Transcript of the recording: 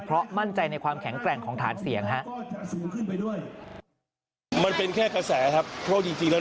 เพราะมั่นใจในความแข็งแกร่งของฐานเสียงฮะ